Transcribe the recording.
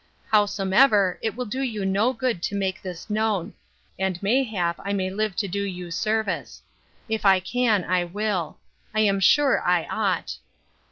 Howsomever, it will do you no good to make this known; and may hap I may live to do you service. If I can, I will: I am sure I ought.